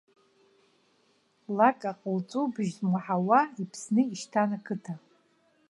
Лак аҟыубжьыҵәҟьа умаҳауа иԥсны ишьҭан ақыҭа.